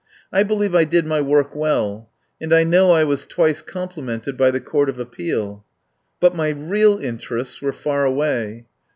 I believe I did my work well, and I know I was twice com plimented by the Court of Appeal. But my real interests were far away.